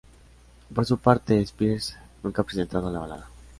Por su parte, Spears nunca ha presentado la balada.